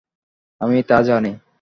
আমি তা জানি।